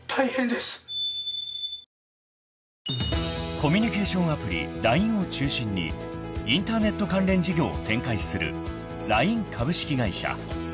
［コミュニケーションアプリ「ＬＩＮＥ」を中心にインターネット関連事業を展開するＬＩＮＥ株式会社］